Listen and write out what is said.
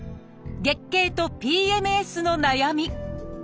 「月経」と「ＰＭＳ」の悩み。